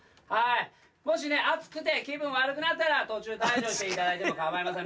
もしね暑くて気分悪くなったら途中退場していただいても構いません。